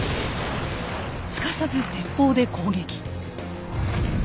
すかさず鉄砲で攻撃。